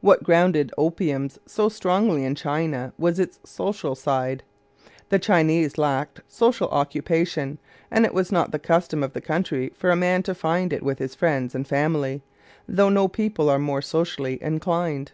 What grounded opium so strongly in China was its social side. The Chinese lacked social occupation, and it was not the custom of the country for a man to find it with his friends and family, though no people are more socially inclined.